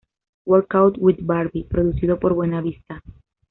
Workout With Barbie" producido por Buena Vista.